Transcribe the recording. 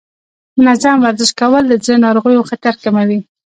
منظم ورزش کول د زړه ناروغیو خطر کموي.